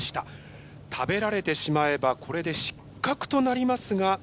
食べられてしまえばこれで失格となりますが。